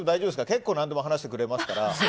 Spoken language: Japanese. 結構何でも話してくれますから。